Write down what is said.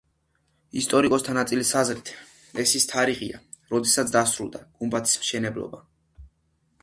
ისტორიკოსთა ნაწილის აზრით, ეს ის თარიღია, როდესაც დასრულდა გუმბათის მშენებლობა.